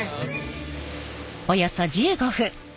およそ１５分。